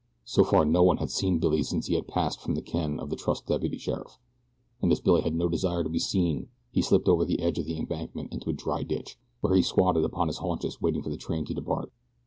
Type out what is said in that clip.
So far no one had seen Billy since he had passed from the ken of the trussed deputy sheriff, and as Billy had no desire to be seen he slipped over the edge of the embankment into a dry ditch, where he squatted upon his haunches waiting for the train to depart.